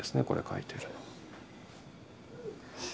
これ書いてるの。